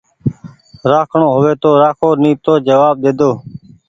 رآکڻو هووي تو رآکو نيتو جوآب ۮيدو